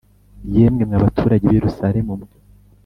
Yemwe mwa baturage b i yerusalemu mwe